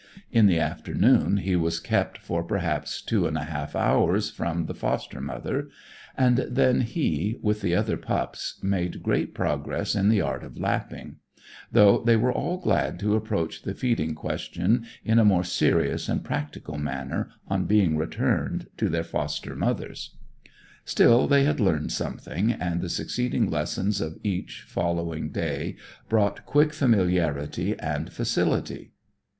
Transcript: In the afternoon he was kept for perhaps two and a half hours from the foster mother, and then he, with the other pups, made great progress in the art of lapping; though they were all glad to approach the feeding question in a more serious and practical manner on being returned to their foster mothers. Still, they had learned something, and the succeeding lessons of each following day brought quick familiarity and facility.